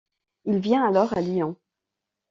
Il vient alors à Lyon.